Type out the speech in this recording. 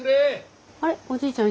あれおじいちゃん